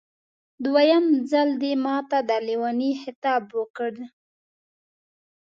دویم ځل دې ماته د لېوني خطاب وکړ.